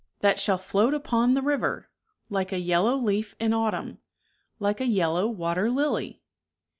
49 That shall float upon the river, Like a yellow leaf in autumn, Like a yellow water lily!